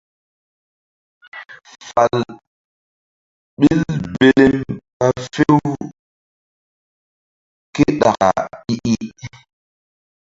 Fal ɓil belem ɓa few ké ɗaka i-i.